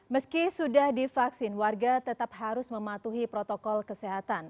meski sudah divaksin warga tetap harus mematuhi protokol kesehatan